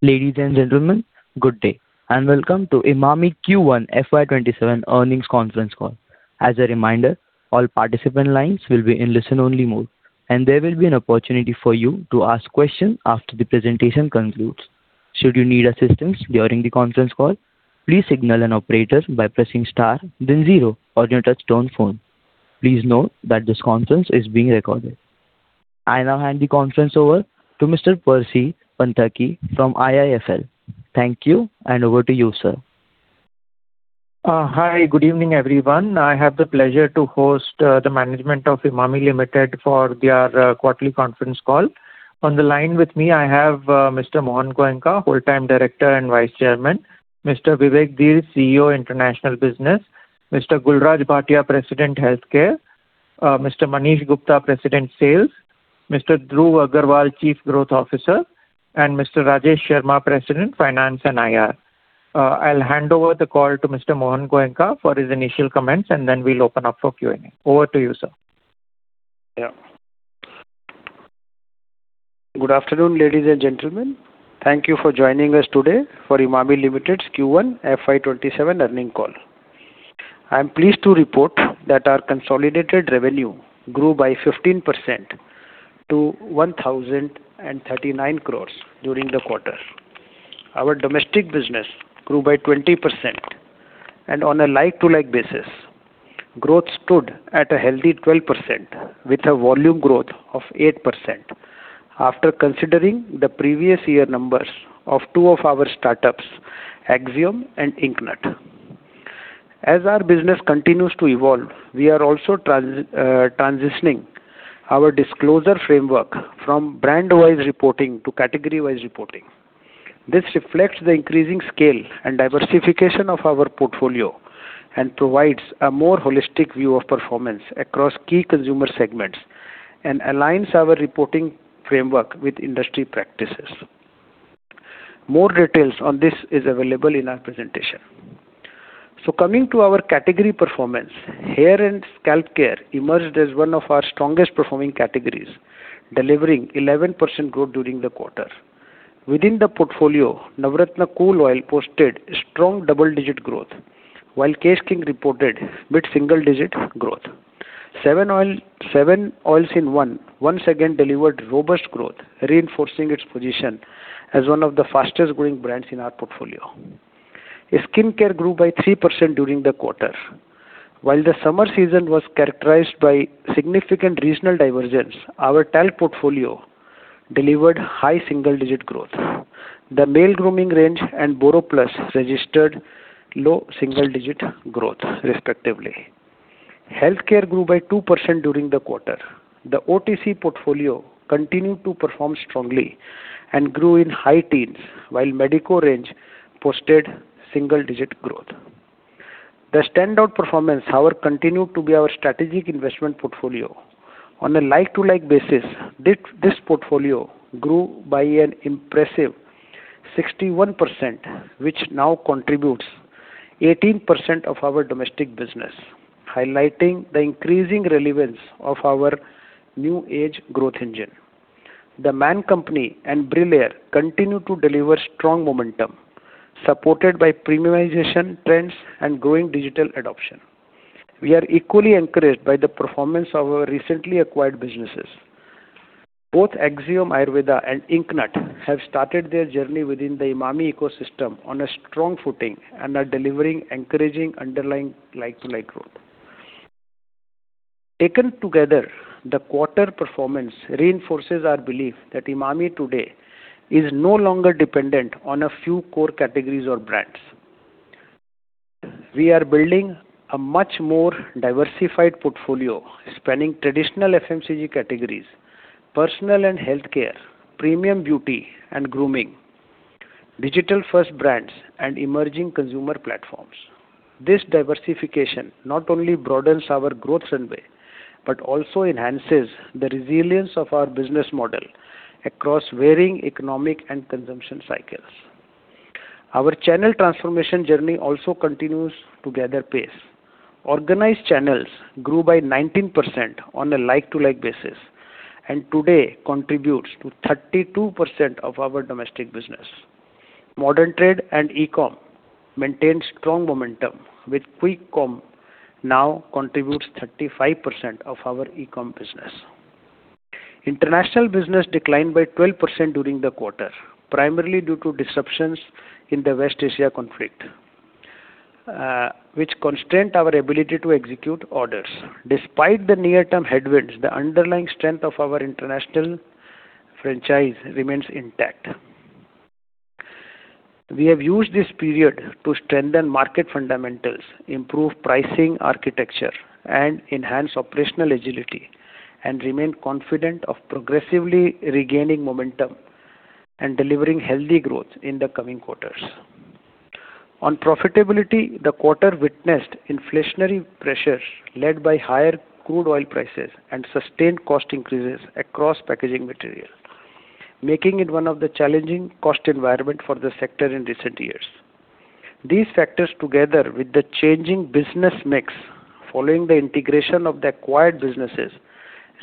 Ladies and gentlemen, good day, and welcome to Emami Q1 FY 2027 Earnings Conference Call. As a reminder, all participant lines will be in listen only mode, and there will be an opportunity for you to ask questions after the presentation concludes. Should you need assistance during the conference call, please signal an operator by pressing star then zero on your touch-tone phone. Please note that this conference is being recorded. I now hand the conference over to Mr. Percy Panthaki from IIFL. Thank you, and over to you, sir. Hi. Good evening, everyone. I have the pleasure to host the management of Emami Limited for their quarterly conference call. On the line with me, I have Mr. Mohan Goenka, Whole-time Director and Vice Chairman, Mr. Vivek Dhir, CEO, International Business, Mr. Gul Raj Bhatia, President, Healthcare, Mr. Manish Gupta, President, Sales, Mr. Dhruv Aggarwal, Chief Growth Officer, and Mr. Rajesh Sharma, President, Finance and IR. I'll hand over the call to Mr. Mohan Goenka for his initial comments, and then we'll open up for Q&A. Over to you, sir. Good afternoon, ladies and gentlemen. Thank you for joining us today for Emami Limited's Q1 FY 2027 earning call. I am pleased to report that our consolidated revenue grew by 15% to 1,039 crore during the quarter. Our domestic business grew by 20%, and on a like-to-like basis, growth stood at a healthy 12% with a volume growth of 8% after considering the previous year numbers of two of our startups, Axiom and IncNut. As our business continues to evolve, we are also transitioning our disclosure framework from brand-wise reporting to category-wise reporting. This reflects the increasing scale and diversification of our portfolio and provides a more holistic view of performance across key consumer segments and aligns our reporting framework with industry practices. More details on this is available in our presentation. Coming to our category performance, hair and scalp care emerged as one of our strongest performing categories, delivering 11% growth during the quarter. Within the portfolio, Navratna Cool Oil posted strong double-digit growth, while Kesh King reported mid-single digit growth. 7 Oils in One, once again delivered robust growth, reinforcing its position as one of the fastest growing brands in our portfolio. Skincare grew by 3% during the quarter. While the summer season was characterized by significant regional divergence, our talc portfolio delivered high single-digit growth. The male grooming range and BoroPlus registered low single-digit growth respectively. Healthcare grew by 2% during the quarter. The OTC portfolio continued to perform strongly and grew in high teens, while Medico range posted single-digit growth. The standout performance, however, continued to be our strategic investment portfolio. On a like-to-like basis, this portfolio grew by an impressive 61%, which now contributes 18% of our domestic business, highlighting the increasing relevance of our new age growth engine. The Man Company and Brillare continue to deliver strong momentum, supported by premiumization trends and growing digital adoption. We are equally encouraged by the performance of our recently acquired businesses. Both Axiom Ayurveda and IncNut have started their journey within the Emami ecosystem on a strong footing and are delivering encouraging underlying like-to-like growth. Taken together, the quarter performance reinforces our belief that Emami today is no longer dependent on a few core categories or brands. We are building a much more diversified portfolio spanning traditional FMCG categories, personal and healthcare, premium beauty and grooming, digital-first brands, and emerging consumer platforms. This diversification not only broadens our growth runway, but also enhances the resilience of our business model across varying economic and consumption cycles. Our channel transformation journey also continues to gather pace. Organized channels grew by 19% on a like-to-like basis, and today contributes to 32% of our domestic business. Modern trade and e-com maintained strong momentum with QuickCom now contributes 35% of our e-com business. International business declined by 12% during the quarter, primarily due to disruptions in the West Asia conflict, which constrained our ability to execute orders. Despite the near-term headwinds, the underlying strength of our international franchise remains intact. We have used this period to strengthen market fundamentals, improve pricing architecture, and enhance operational agility, and remain confident of progressively regaining momentum and delivering healthy growth in the coming quarters. On profitability, the quarter witnessed inflationary pressures led by higher crude oil prices and sustained cost increases across packaging material, making it one of the challenging cost environment for the sector in recent years. These factors, together with the changing business mix following the integration of the acquired businesses,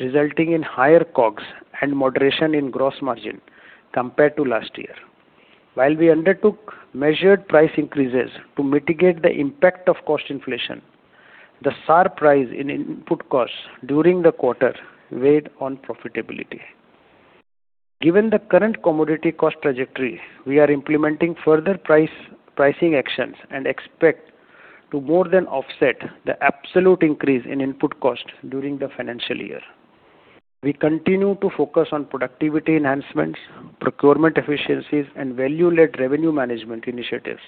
resulting in higher COGS and moderation in gross margin compared to last year. While we undertook measured price increases to mitigate the impact of cost inflation, the sharp rise in input costs during the quarter weighed on profitability. Given the current commodity cost trajectory, we are implementing further pricing actions and expect to more than offset the absolute increase in input costs during the financial year. We continue to focus on productivity enhancements, procurement efficiencies, and value-led revenue management initiatives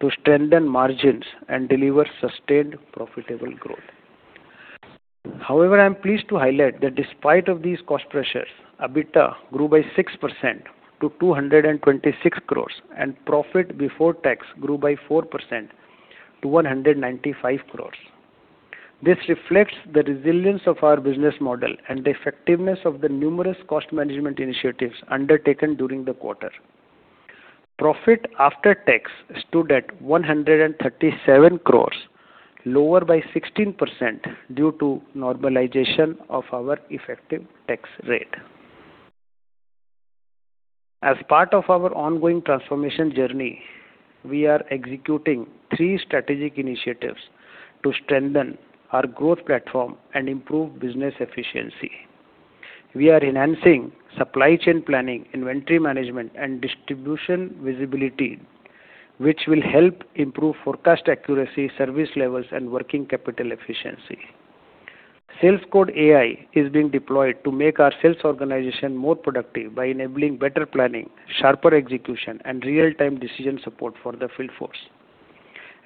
to strengthen margins and deliver sustained profitable growth. However, I'm pleased to highlight that despite of these cost pressures, EBITDA grew by 6% to 226 crores and profit before tax grew by 4% to 195 crores. This reflects the resilience of our business model and the effectiveness of the numerous cost management initiatives undertaken during the quarter. Profit after tax stood at 137 crores, lower by 16% due to normalization of our effective tax rate. As part of our ongoing transformation journey, we are executing three strategic initiatives to strengthen our growth platform and improve business efficiency. We are enhancing supply chain planning, inventory management, and distribution visibility, which will help improve forecast accuracy, service levels, and working capital efficiency. SalesCode.ai is being deployed to make our sales organization more productive by enabling better planning, sharper execution, and real-time decision support for the field force.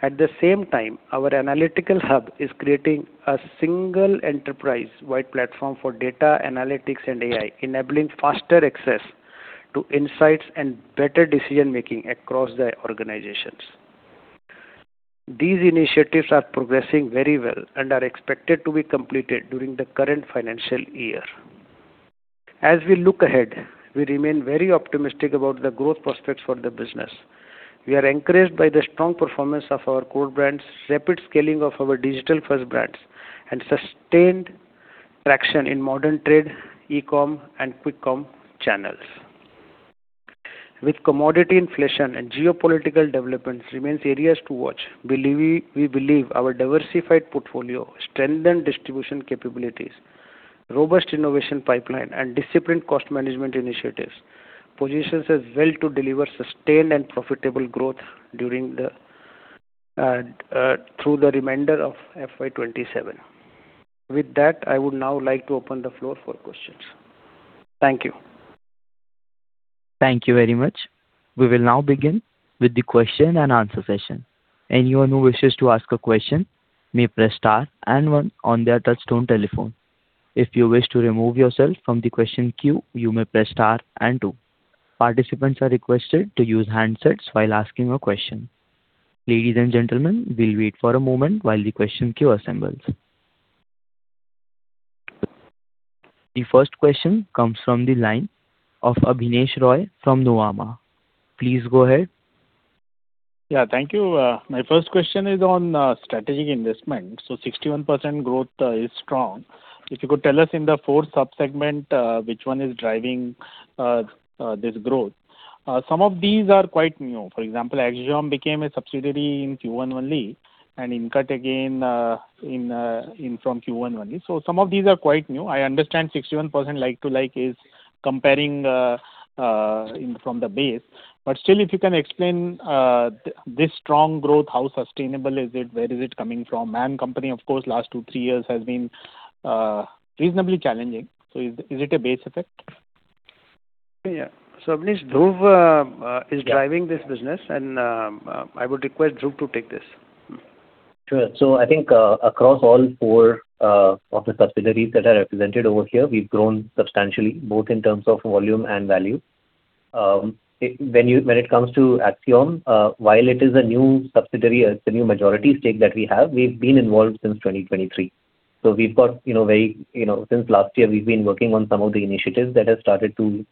At the same time, our analytical hub is creating a single enterprise-wide platform for data analytics and AI, enabling faster access to insights and better decision-making across the organizations. These initiatives are progressing very well and are expected to be completed during the current financial year. As we look ahead, we remain very optimistic about the growth prospects for the business. We are encouraged by the strong performance of our core brands, rapid scaling of our digital-first brands, and sustained traction in modern trade, e-com, and Quick Commerce channels. With commodity inflation and geopolitical developments remains areas to watch, we believe our diversified portfolio, strengthened distribution capabilities, robust innovation pipeline, and disciplined cost management initiatives positions us well to deliver sustained and profitable growth through the remainder of FY 2027. With that, I would now like to open the floor for questions. Thank you. Thank you very much. We will now begin with the question and answer session. Anyone who wishes to ask a question may press star and one on their touch-tone telephone. If you wish to remove yourself from the question queue, you may press star and two. Participants are requested to use handsets while asking a question. Ladies and gentlemen, we will wait for a moment while the question queue assembles. The first question comes from the line of Abneesh Roy from Nuvama. Please go ahead. Yeah, thank you. My first question is on strategic investment. So 61% growth is strong. If you could tell us in the four sub-segment, which one is driving this growth. Some of these are quite new. For example, Axiom became a subsidiary in Q1 only, and IncNut again from Q1 only. So some of these are quite new. I understand 61% like to like is comparing from the base. But still, if you can explain this strong growth, how sustainable is it? Where is it coming from? And company, of course, last two, three years has been reasonably challenging. So is it a base effect? Yeah. So Abneesh, Dhruv is driving this business and I would request Dhruv to take this. Sure. I think across all four of the subsidiaries that are represented over here, we've grown substantially, both in terms of volume and value. When it comes to Axiom, while it is a new subsidiary, it's a new majority stake that we have. We've been involved since 2023. Since last year, we've been working on some of the initiatives that have started to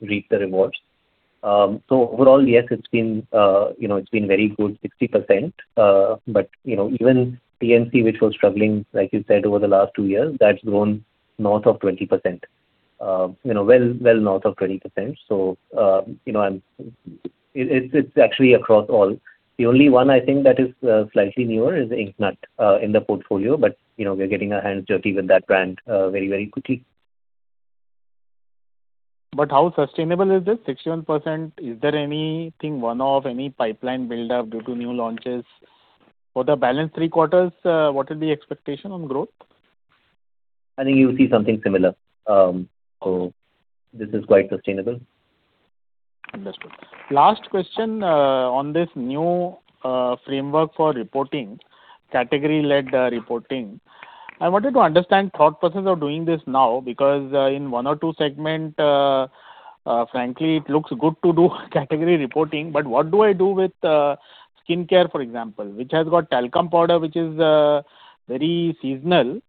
reap the rewards. Overall, yes, it's been very good, 60%. Even PNC which was struggling, like you said, over the last two years, that's grown north of 20%. Well north of 20%. It's actually across all. The only one I think that is slightly newer is IncNut in the portfolio, but we're getting our hands dirty with that brand very, very quickly. How sustainable is this 61%? Is there anything one-off, any pipeline build-up due to new launches? For the balance three quarters, what is the expectation on growth? I think you'll see something similar. This is quite sustainable. Understood. Last question on this new framework for reporting, category-led reporting. I wanted to understand thought process of doing this now, because in one or two segments, frankly, it looks good to do category reporting, but what do I do with skincare, for example, which has got talcum powder, which is very seasonal.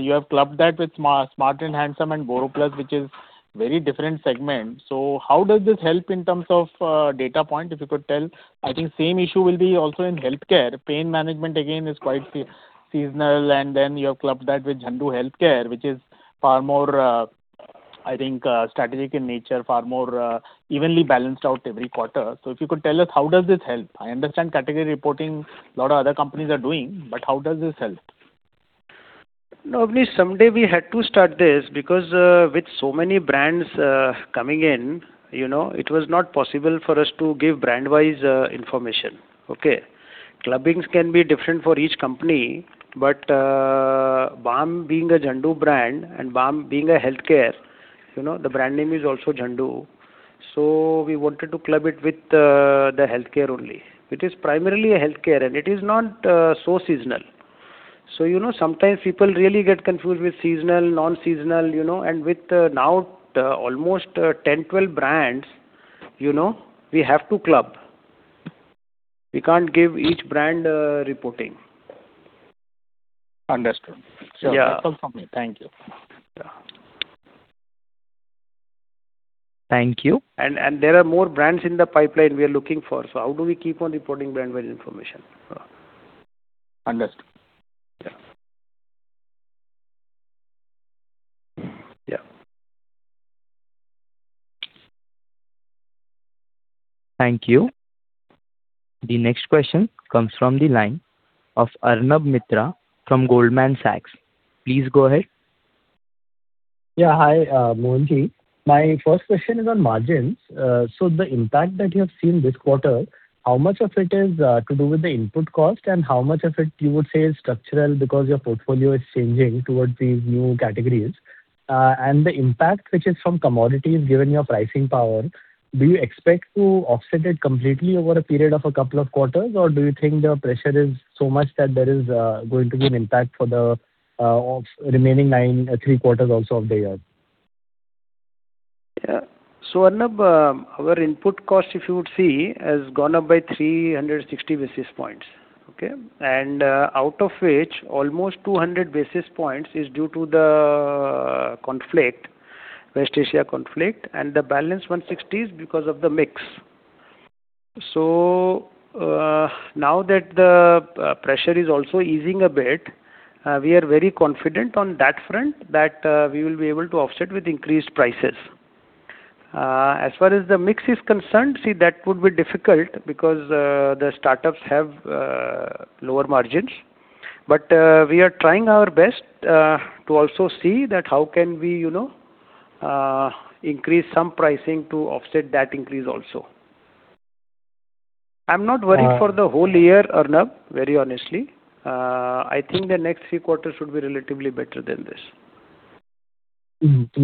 You have clubbed that with Smart and Handsome and BoroPlus, which is very different segment. How does this help in terms of data point, if you could tell? I think same issue will be also in healthcare. Pain management, again, is quite seasonal, and then you have clubbed that with Zandu Healthcare, which is far more, I think, strategic in nature, far more evenly balanced out every quarter. If you could tell us how does this help? I understand category reporting, lot of other companies are doing, how does this help? No, obviously someday we had to start this because with so many brands coming in, it was not possible for us to give brand-wise information. Clubbings can be different for each company, but Balm being a Zandu brand, and Balm being a healthcare, the brand name is also Zandu, we wanted to club it with the healthcare only. It is primarily a healthcare, and it is not so seasonal. Sometimes people really get confused with seasonal, non-seasonal. With now almost 10, 12 brands, we have to club. We can't give each brand reporting. Understood. Yeah. It's all for me. Thank you. Yeah. Thank you. There are more brands in the pipeline we are looking for. How do we keep on reporting brand-wise information? Understood. Yeah. Yeah. Thank you. The next question comes from the line of Arnab Mitra from Goldman Sachs. Please go ahead. Hi, Mohan my first question is on margins. The impact that you have seen this quarter, how much of it is to do with the input cost and how much of it you would say is structural because your portfolio is changing towards these new categories? The impact which is from commodities, given your pricing power, do you expect to offset it completely over a period of a couple of quarters, or do you think the pressure is so much that there is going to be an impact for the remaining three quarters also of the year? Our input cost, if you would see, has gone up by 360 basis points. Okay. Out of which, almost 200 basis points is due to the West Asia conflict, and the balance 160 is because of the mix. Now that the pressure is also easing a bit, we are very confident on that front that we will be able to offset with increased prices. As far as the mix is concerned, see, that would be difficult because the startups have lower margins. We are trying our best to also see that how can we increase some pricing to offset that increase also. I'm not worried for the whole year, Arnab, very honestly. I think the next three quarters should be relatively better than this.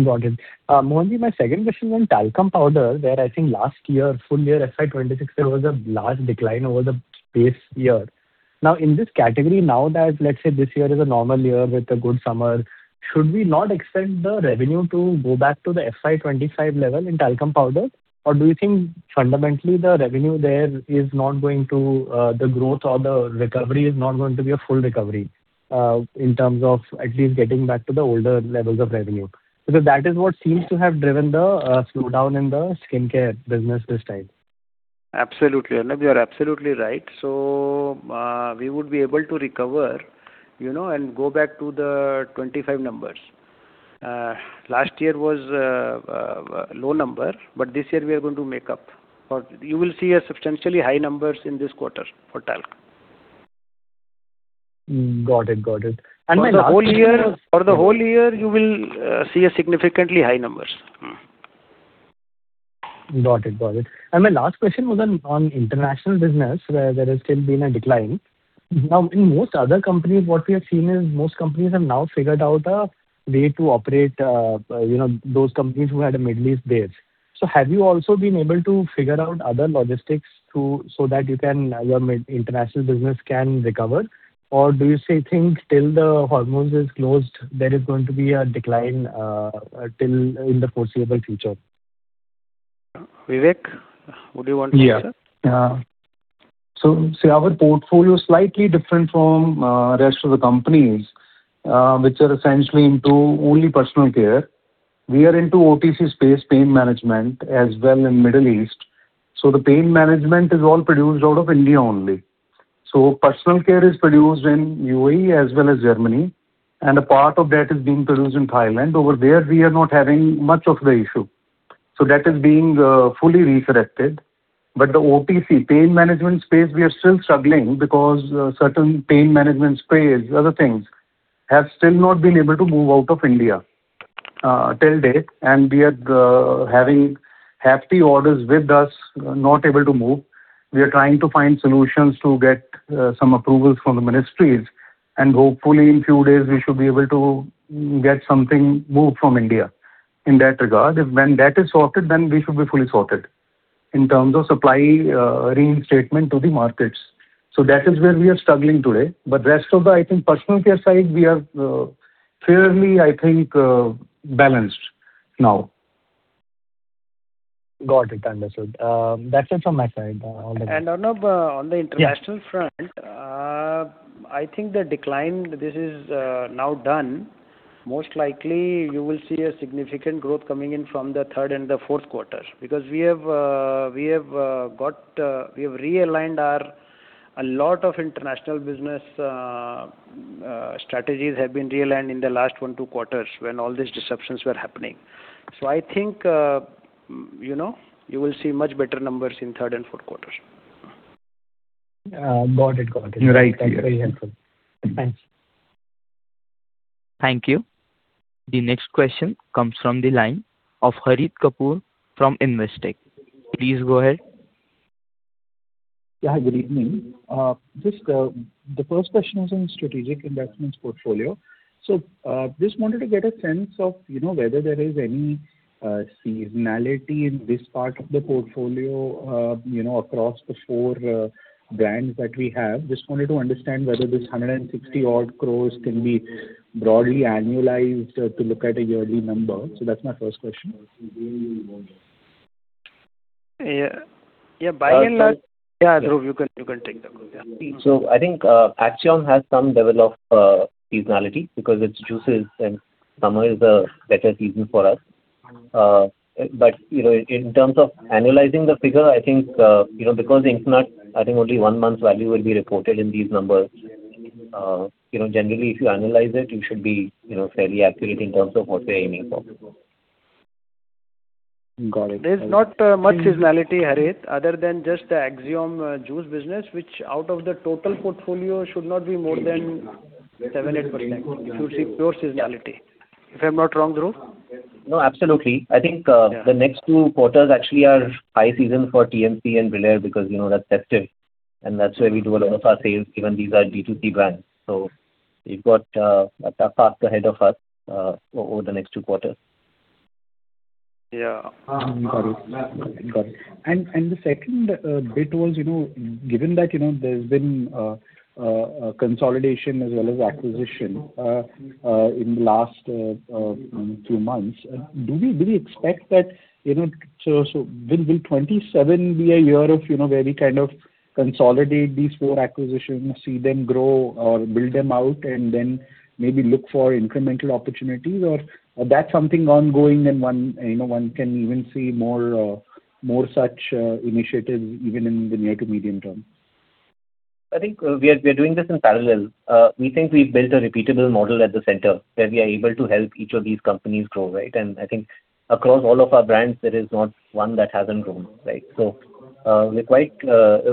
Got it. Mohan my second question on talcum powder, where I think last year, full year FY 2026, there was a large decline over the base year. In this category, now that, let's say, this year is a normal year with a good summer, should we not expect the revenue to go back to the FY 2025 level in talcum powder? Do you think fundamentally the revenue there, the growth or the recovery is not going to be a full recovery in terms of at least getting back to the older levels of revenue? Because that is what seems to have driven the slowdown in the skincare business this time. Absolutely, Arnab. You're absolutely right. We would be able to recover and go back to the 2025 numbers. Last year was a low number, but this year we are going to make up, or you will see a substantially high numbers in this quarter for talc. Got it. For the whole year, you will see a significantly high numbers. Got it. My last question, Mohan, on international business, where there has still been a decline. Now, in most other companies, what we have seen is most companies have now figured out a way to operate those companies who had a Middle East base. Have you also been able to figure out other logistics so that your international business can recover? Or do you still think till the Hormuz is closed, there is going to be a decline in the foreseeable future? Vivek, would you want to answer? Yeah. See, our portfolio is slightly different from rest of the companies, which are essentially into only personal care. We are into OTC space, pain management as well in Middle East. The pain management is all produced out of India only. Personal care is produced in UAE as well as Germany, and a part of that is being produced in Thailand. Over there, we are not having much of the issue. That is being fully resurrected. The OTC, pain management space, we are still struggling because certain pain management sprays, other things, have still not been able to move out of India till date. We are having hefty orders with us not able to move. We are trying to find solutions to get some approvals from the ministries, hopefully in few days, we should be able to get something moved from India in that regard. When that is sorted, we should be fully sorted in terms of supply reinstatement to the markets. That is where we are struggling today. Rest of the, I think, personal care side, we are fairly, I think, balanced now. Got it. Understood. That's it from my side. All the best. Arnab, on the international front, I think the decline, this is now done. Most likely, you will see a significant growth coming in from the third and the fourth quarter, because we have realigned a lot of international business strategies in the last one, two quarters when all these disruptions were happening. I think you will see much better numbers in third and fourth quarters. Got it. You're right. Thanks for your input. Thanks. Thank you. The next question comes from the line of Harit Kapoor from Investec. Please go ahead. Yeah. Good evening. The first question is on strategic investments portfolio. Just wanted to get a sense of whether there is any seasonality in this part of the portfolio across the four brands that we have. Just wanted to understand whether this 160 odd crores can be broadly annualized to look at a yearly number. That's my first question. Yeah. Yeah, Dhruv, you can take that one. Yeah. I think Axiom has some level of seasonality because it's juices, and summer is a better season for us. But in terms of annualizing the figure, I think only one month's value will be reported in these numbers. Generally, if you annualize it, you should be fairly accurate in terms of what we're aiming for. Got it. There's not much seasonality, Harit, other than just the Axiom juice business, which out of the total portfolio should not be more than seven%, 8%. You should see pure seasonality. If I'm not wrong, Dhruv. Absolutely. I think the next two quarters actually are high season for TMC and Brillare because that's festive, and that's where we do a lot of our sales, given these are D2C brands. We've got a tough path ahead of us over the next two quarters. Got it. The second bit was, given that there's been a consolidation as well as acquisition in the last few months, do we expect that will FY 2027 be a year of where we kind of consolidate these four acquisitions, see them grow or build them out, and then maybe look for incremental opportunities? That's something ongoing and one can even see more such initiatives even in the near to medium term? I think we are doing this in parallel. We think we've built a repeatable model at the center where we are able to help each of these companies grow. I think across all of our brands, there is not one that hasn't grown. We're quite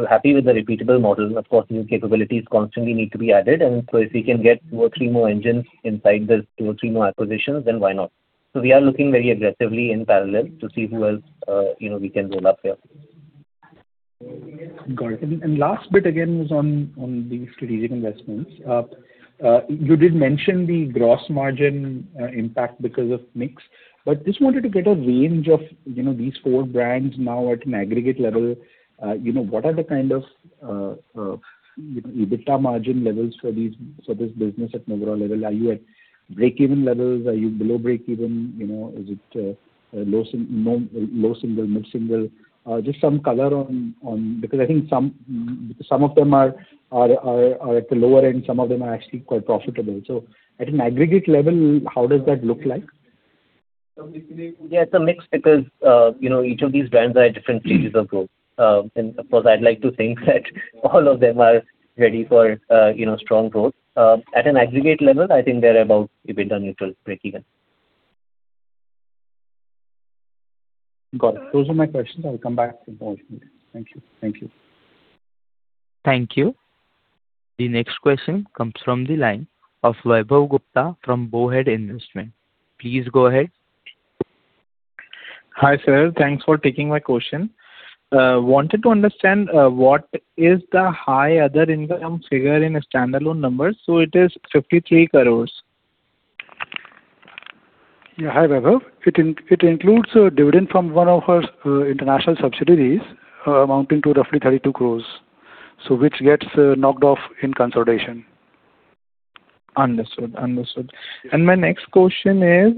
happy with the repeatable model. Of course, new capabilities constantly need to be added. If we can get two or three more engines inside these two or three more acquisitions, then why not? We are looking very aggressively in parallel to see who else we can roll up here. Got it. Last bit again was on the strategic investments. You did mention the gross margin impact because of mix, but just wanted to get a range of these four brands now at an aggregate level. What are the kind of EBITDA margin levels for this business at an overall level? Are you at breakeven levels? Are you below breakeven? Is it low single, mid-single? Just some color on. Because I think some of them are at the lower end, some of them are actually quite profitable. At an aggregate level, how does that look like? Yeah, it's a mix because each of these brands are at different stages of growth. Of course, I'd like to think that all of them are ready for strong growth. At an aggregate level, I think they're about EBITDA neutral, breakeven. Got it. Those are my questions. I'll come back if there are more. Thank you. Thank you. The next question comes from the line of Vaibhav Gupta from Bowhead Investment. Please go ahead. Hi, sir. Thanks for taking my question. Wanted to understand what is the high other income figure in standalone numbers. It is 53 crores. Yeah. Hi, Vaibhav. It includes a dividend from one of our international subsidiaries amounting to roughly 32 crores, which gets knocked off in consolidation. Understood. My next question is,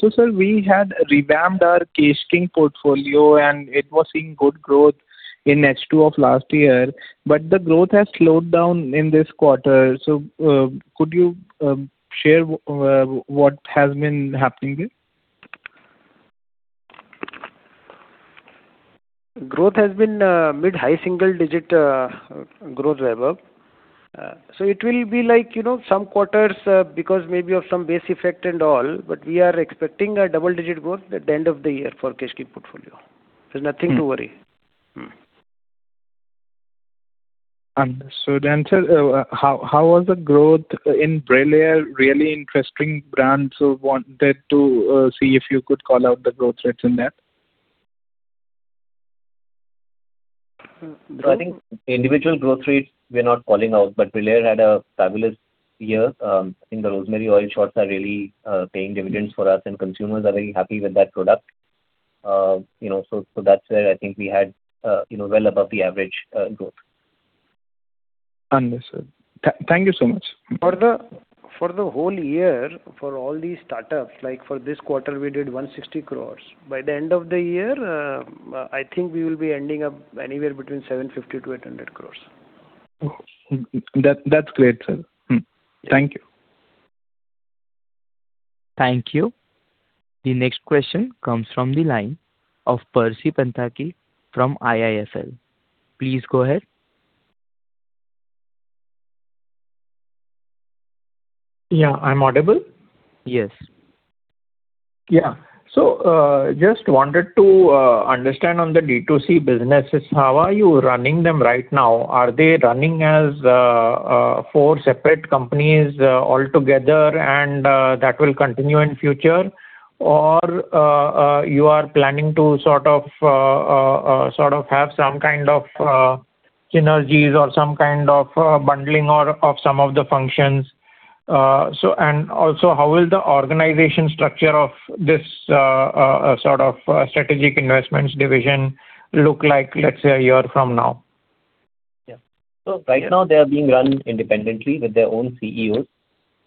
sir, we had revamped our Kesh King portfolio, and it was seeing good growth in H2 of last year, the growth has slowed down in this quarter. Could you share what has been happening there? Growth has been mid-high single-digit growth, Vaibhav. It will be like some quarters because maybe of some base effect and all, but we are expecting a double-digit growth at the end of the year for Kesh King portfolio. There is nothing to worry. Understood. Sir, how was the growth in Brillare, really interesting brand, so wanted to see if you could call out the growth rates in there? I think individual growth rates, we are not calling out, but Brillare had a fabulous year. I think the rosemary oil shots are really paying dividends for us, and consumers are very happy with that product. That's where I think we had well above the average growth. Understood. Thank you so much. For the whole year, for all these startups, like for this quarter, we did 160 crore. By the end of the year, I think we will be ending up anywhere between 750 crore-800 crore. That's great, sir. Thank you. Thank you. The next question comes from the line of Percy Panthaki from IIFL. Please go ahead. Yeah. I'm audible? Yes. Yeah. Just wanted to understand on the D2C businesses, how are you running them right now? Are they running as four separate companies altogether and that will continue in future? Are you planning to have some kind of synergies or some kind of bundling of some of the functions? And also, how will the organization structure of this strategic investments division look like, let's say, a year from now? Yeah. Right now they are being run independently with their own CEOs.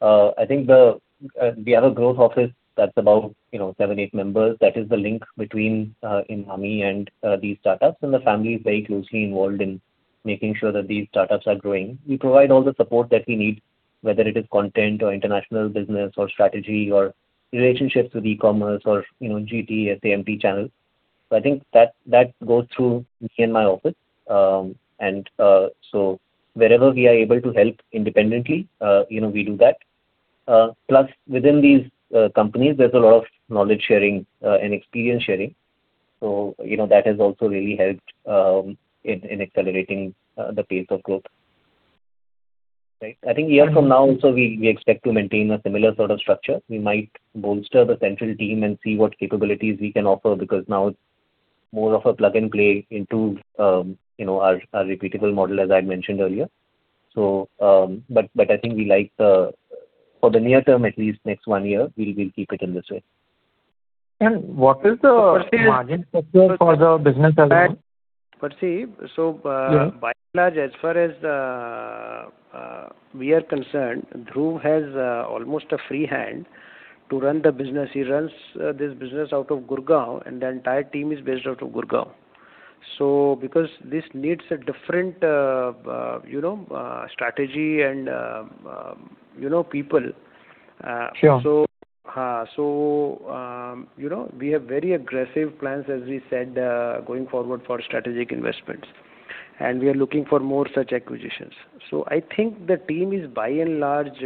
We have a growth office that's about seven, eight members. That is the link between Emami and these startups, and the family is very closely involved in making sure that these startups are growing. We provide all the support that we need, whether it is content or international business or strategy or relationships with e-commerce or GT, SMP channels. I think that goes through me and my office. Wherever we are able to help independently, we do that. Plus, within these companies, there's a lot of knowledge sharing and experience sharing. That has also really helped in accelerating the pace of growth. I think a year from now also, we expect to maintain a similar sort of structure. We might bolster the central team and see what capabilities we can offer, because now it's more of a plug-and-play into our repeatable model, as I mentioned earlier. I think for the near term, at least next one year, we'll keep it in this way. What is the margin structure for the business as a whole? Percy. Yeah By and large, as far as we are concerned, Dhruv has almost a free hand to run the business. He runs this business out of Gurgaon, and the entire team is based out of Gurgaon. Because this needs a different strategy and people. Sure. We have very aggressive plans, as we said, going forward for strategic investments, and we are looking for more such acquisitions. I think the team is by and large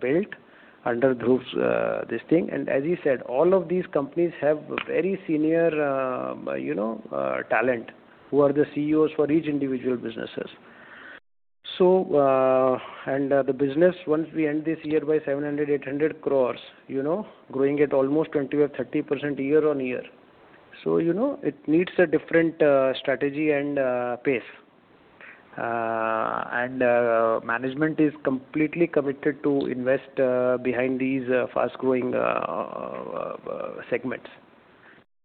built under Dhruv's this thing, and as you said, all of these companies have very senior talent who are the CEOs for each individual businesses. The business, once we end this year by 700 crore-800 crore, growing at almost 20% or 30% year-over-year. It needs a different strategy and pace. Management is completely committed to invest behind these fast-growing segments.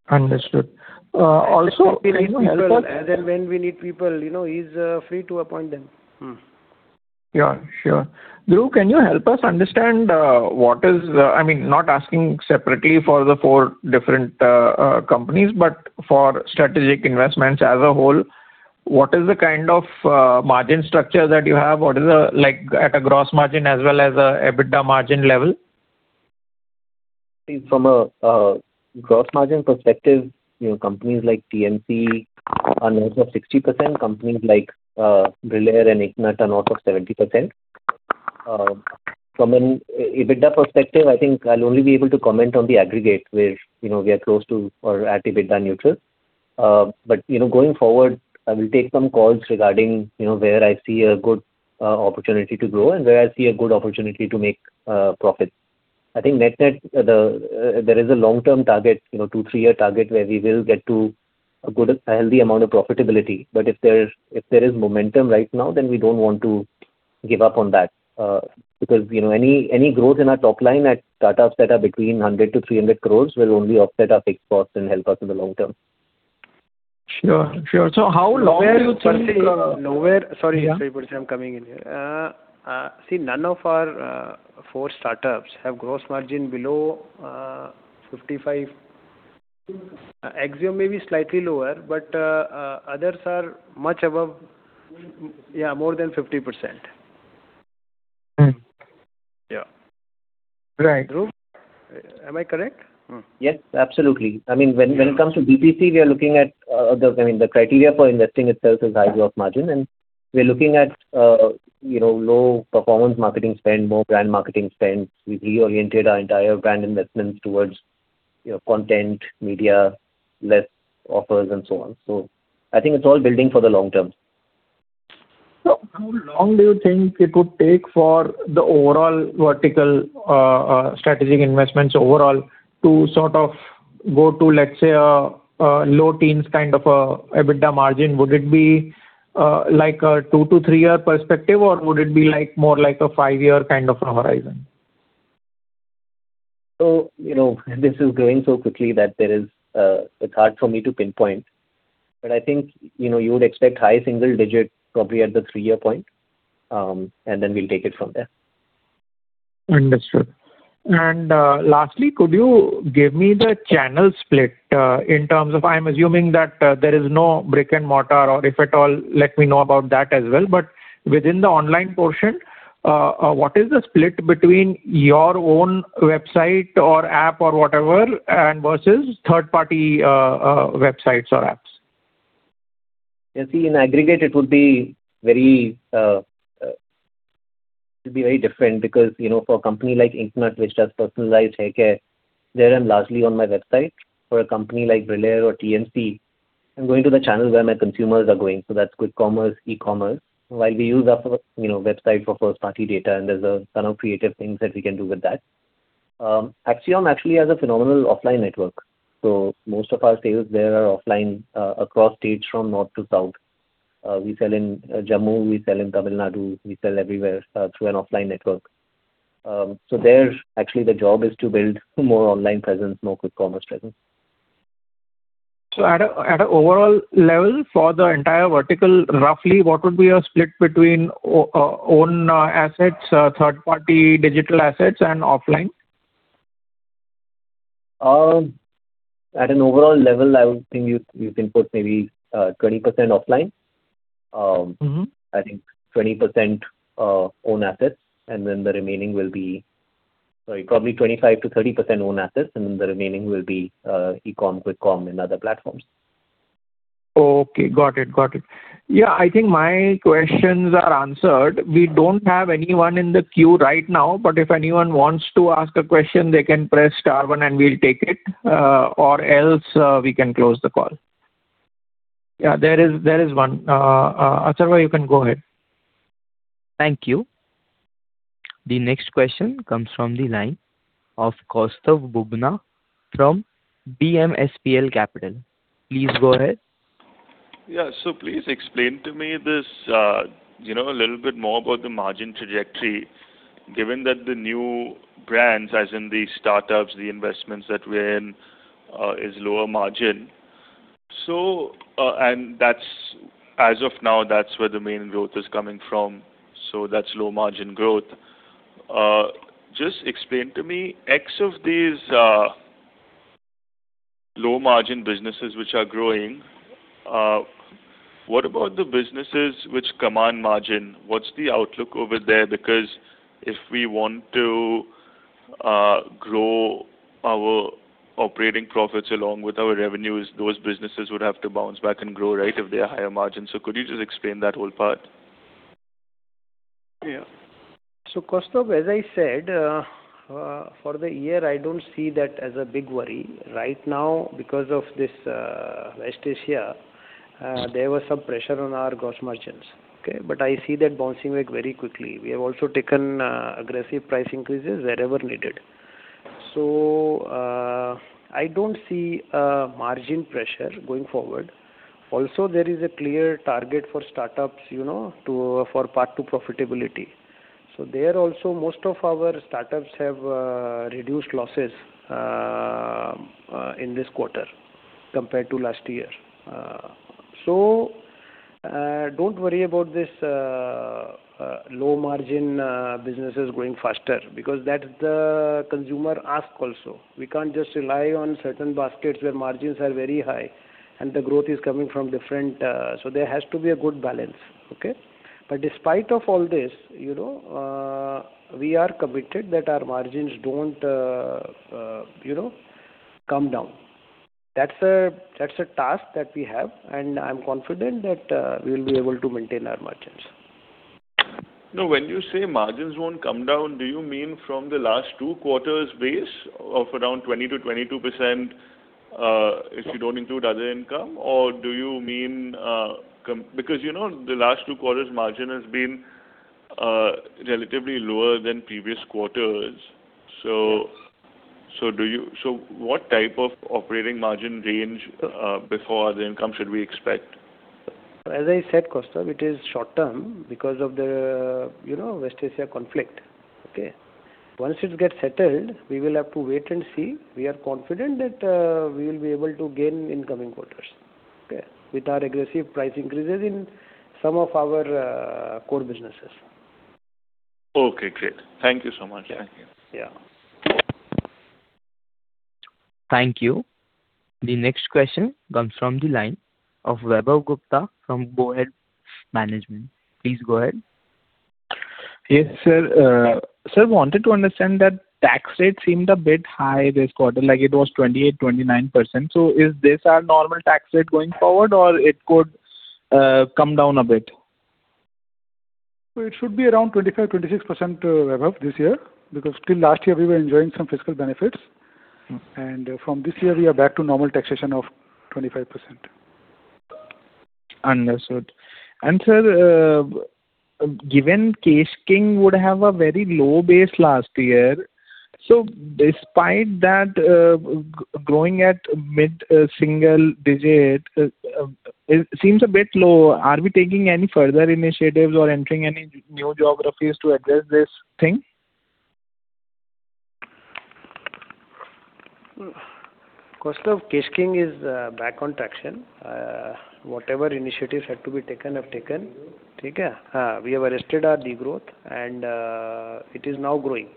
Understood. Also, can you help? When we need people, he's free to appoint them. Yeah, sure. Dhruv, can you help us understand what is I mean, not asking separately for the four different companies, but for strategic investments as a whole, what is the kind of margin structure that you have? What is at a gross margin as well as a EBITDA margin level? From a gross margin perspective, companies like TMC are north of 60%. Companies like Brillare and IncNut are north of 70%. From an EBITDA perspective, I think I'll only be able to comment on the aggregate where we are close to or at EBITDA neutral. Going forward, I will take some calls regarding where I see a good opportunity to grow and where I see a good opportunity to make profits. I think net-net, there is a long-term target, two, three-year target, where we will get to a healthy amount of profitability. If there is momentum right now, then we don't want to give up on that. Any growth in our top line at startups that are between 100 crore-300 crore will only offset our fixed costs and help us in the long term. Sure. How long do you think? Sorry, Percy Panthaki, I'm coming in here. None of our four startups have gross margin below 55. Axiom may be slightly lower, but others are much above. Yeah, more than 50%. Yeah. Right. Dhruv, am I correct? Yes, absolutely. When it comes to D2C, the criteria for investing itself is high gross margin, and we're looking at low performance marketing spend, more brand marketing spend. We've reoriented our entire brand investments towards content, media, less offers, and so on. I think it's all building for the long term. How long do you think it would take for the overall vertical strategic investments overall to go to, let's say, a low teens kind of EBITDA margin? Would it be a two to three-year perspective, or would it be more like a five-year horizon? This is growing so quickly that it's hard for me to pinpoint. I think you would expect high single digit probably at the three-year point, then we'll take it from there. Understood. Lastly, could you give me the channel split in terms of, I'm assuming that there is no brick and mortar, or if at all, let me know about that as well. Within the online portion, what is the split between your own website or app or whatever, and versus third-party websites or apps? You see, in aggregate, it would be very different because, for a company like IncNut Digital, which does personalized hair care, they are largely on my website. For a company like Brillare or TMC, I'm going to the channels where my consumers are going. That's Quick Commerce, e-commerce. While we use our website for first-party data, and there's a ton of creative things that we can do with that. Axiom actually has a phenomenal offline network. Most of our sales there are offline across states from north to south. We sell in Jammu, we sell in Tamil Nadu, we sell everywhere through an offline network. There, actually, the job is to build more online presence, more Quick Commerce presence. At an overall level for the entire vertical, roughly what would be a split between own assets, third-party digital assets, and offline? At an overall level, I would think you can put maybe 20% offline. I think 20% own assets, and then the remaining will be Sorry, probably 25%-30% own assets, and then the remaining will be e-com, quick com, and other platforms. Okay, got it. I think my questions are answered. We don't have anyone in the queue right now, but if anyone wants to ask a question, they can press star one and we'll take it. Or else, we can close the call. There is one. [Asarwa] you can go ahead. Thank you. The next question comes from the line of Kaustav Bubna from BMSPL Capital. Please go ahead. Yeah. Please explain to me this a little bit more about the margin trajectory, given that the new brands, as in the startups, the investments that we're in, is lower margin. As of now, that's where the main growth is coming from. That's low margin growth. Just explain to me, X of these low margin businesses which are growing, what about the businesses which command margin? What's the outlook over there? If we want to grow our operating profits along with our revenues, those businesses would have to bounce back and grow, right? If they are higher margin. Could you just explain that whole part? Yeah. Kaustav, as I said, for the year, I don't see that as a big worry. Right now because of this West Asia, there was some pressure on our gross margins. Okay. I see that bouncing back very quickly. We have also taken aggressive price increases wherever needed. I don't see a margin pressure going forward. Also, there is a clear target for startups for path to profitability. There also, most of our startups have reduced losses in this quarter compared to last year. Don't worry about this low margin businesses growing faster because that's the consumer ask also. We can't just rely on certain baskets where margins are very high and the growth is coming from different. There has to be a good balance. Okay. Despite of all this, we are committed that our margins don't come down. That's a task that we have, I'm confident that we'll be able to maintain our margins. When you say margins won't come down, do you mean from the last two quarters base of around 20%-22%, if you don't include other income? Do you mean the last two quarters margin has been relatively lower than previous quarters? What type of operating margin range before other income should we expect? As I said, Kaustav, it is short term because of the West Asia conflict. Once it gets settled, we will have to wait and see. We are confident that we will be able to gain in coming quarters with our aggressive price increases in some of our core businesses. Okay, great. Thank you so much. Thank you. Yeah. Thank you. The next question comes from the line of Vaibhav Gupta from Bowhead Investment. Please go ahead. Yes, sir. Sir, wanted to understand that tax rate seemed a bit high this quarter, it was 28%, 29%. Is this our normal tax rate going forward, or it could come down a bit? It should be around 25%, 26%, Vaibhav, this year, because till last year, we were enjoying some fiscal benefits. From this year, we are back to normal taxation of 25%. Understood. Sir, given Kesh King would have a very low base last year, despite that, growing at mid-single digit, it seems a bit low. Are we taking any further initiatives or entering any new geographies to address this thing? Vaibhav, Kesh King is back on traction. Whatever initiatives had to be taken have taken. We have arrested our de-growth and it is now growing.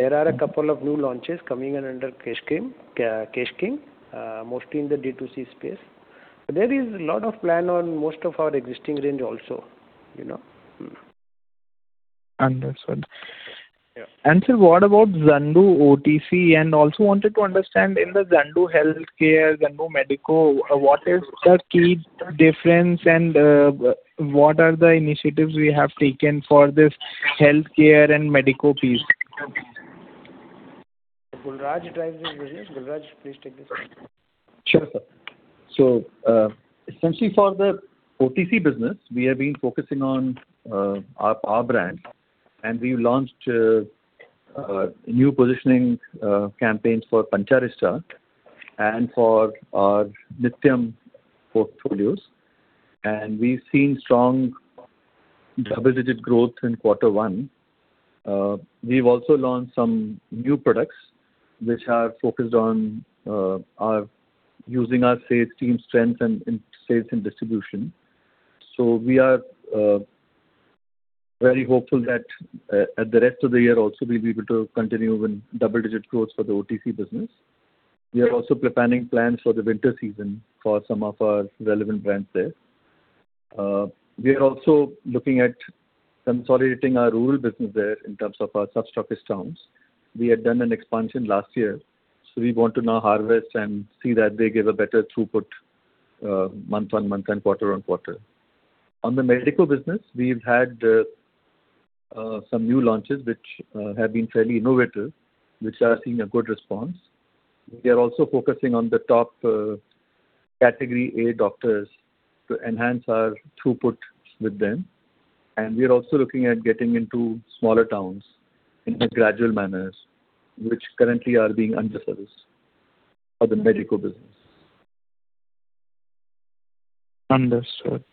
There are a couple of new launches coming in under Kesh King, mostly in the D2C space. There is a lot of plan on most of our existing range also. Understood. Yeah. Sir, what about Zandu OTC? Also wanted to understand in the Zandu healthcare, Zandu medico, what is the key difference and what are the initiatives we have taken for this healthcare and medico piece? Gul Raj drives this business. Gul Raj, please take this. Sure, sir. Essentially for the OTC business, we have been focusing on our brand, we launched new positioning campaigns for Pancharishta and for our Nityam portfolios. We've seen strong double-digit growth in quarter one. We've also launched some new products which are focused on using our sales team's strength in sales and distribution. We are very hopeful that at the rest of the year also we'll be able to continue with double-digit growth for the OTC business. We are also planning plans for the winter season for some of our relevant brands there. We are also looking at consolidating our rural business there in terms of our sub-stockist towns. We had done an expansion last year, we want to now harvest and see that they give a better throughput month-on-month and quarter-on-quarter. On the medico business, we've had some new launches which have been fairly innovative, which are seeing a good response. We are also focusing on the top category A doctors to enhance our throughput with them. We are also looking at getting into smaller towns in a gradual manner, which currently are being under service for the medico business. Understood.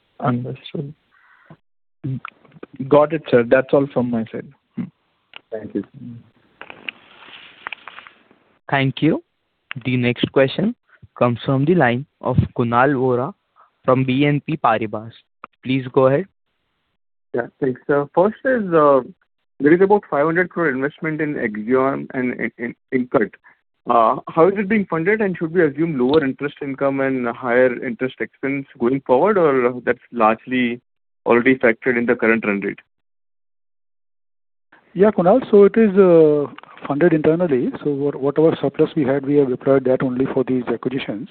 Got it, sir. That's all from my side. Thank you. Thank you. The next question comes from the line of Kunal Vora from BNP Paribas. Please go ahead. Yeah, thanks. First is, there is about 500 crore investment in Axiom and in IncNut. How is it being funded and should we assume lower interest income and higher interest expense going forward or that's largely already factored in the current run rate? Yeah, Kunal. It is funded internally. Whatever surplus we had, we have deployed that only for these acquisitions.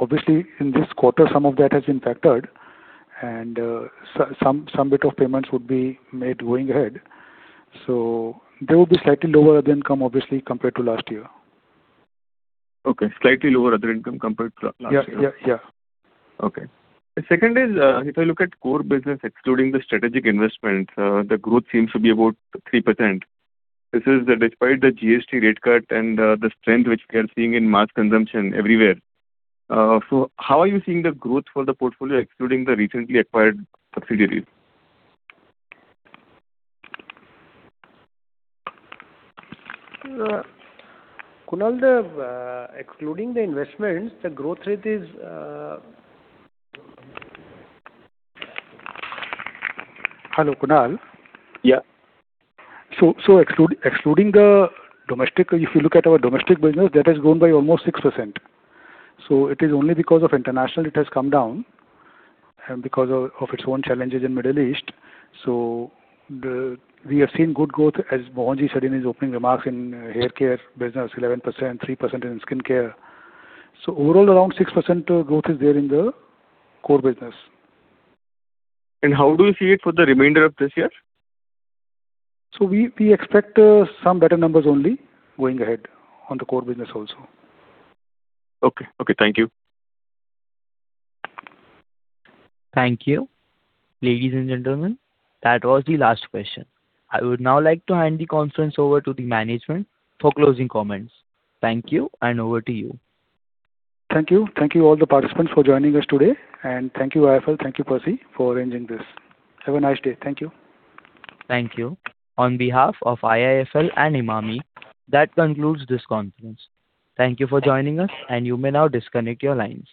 Obviously, in this quarter, some of that has been factored and some bit of payments would be made going ahead. There will be slightly lower other income obviously compared to last year. Okay. Slightly lower other income compared to last year. Yeah. Okay. The second is, if I look at core business excluding the strategic investment, the growth seems to be about 3%. This is despite the GST rate cut and the strength which we are seeing in mass consumption everywhere. How are you seeing the growth for the portfolio excluding the recently acquired subsidiaries? Kunal, excluding the investments, the growth rate is Hello, Kunal. Yeah. Excluding the domestic, if you look at our domestic business, that has grown by almost 6%. It is only because of international it has come down, and because of its own challenges in Middle East. We have seen good growth, as Mohan said in his opening remarks, in hair care business, 11%, 3% in skin care. Overall, around 6% growth is there in the core business. How do you see it for the remainder of this year? We expect some better numbers only going ahead on the core business also. Okay. Thank you. Thank you. Ladies and gentlemen, that was the last question. I would now like to hand the conference over to the management for closing comments. Thank you, and over to you. Thank you. Thank you all the participants for joining us today. Thank you, IIFL, thank you, Percy, for arranging this. Have a nice day. Thank you. Thank you. On behalf of IIFL and Emami, that concludes this conference. Thank you for joining us, and you may now disconnect your lines.